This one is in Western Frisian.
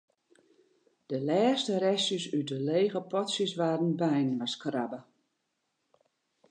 De lêste restjes út de lege potsjes waarden byinoarskrabbe.